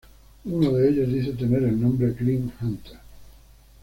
Uno de ellos dice tener el nombre Grim Hunter.